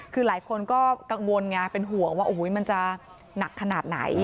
คือหลายคนก็กังวลไงเป็นห่วงว่าโอ้โหมันจะหนักขนาดไหน